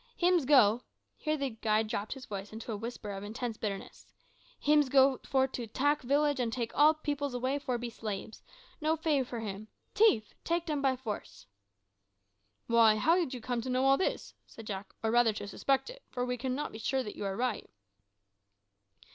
Hims go" (here the guide dropped his voice into a whisper of intense bitterness) "hims go for attack village an' take all peepils away for be slabes. No pay for 'em tief! take dem by force." "Why, how did you come to know all this," said Jack, "or rather to suspect it? for you cannot be sure that you are right."